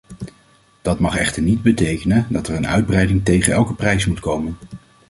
Dat mag echter niet betekenen dat er een uitbreiding tegen elke prijs moet komen.